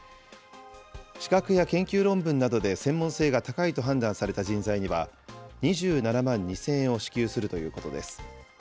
資格や研究論文などで専門性が高いと判断された人材には、２７万２０００円を支給するということです。